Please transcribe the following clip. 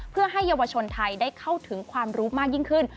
เพื่อให้เยาวชนไทยได้เข้าถึงความรู้มากยิ่งขึ้น